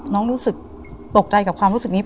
รู้สึกตกใจกับความรู้สึกนี้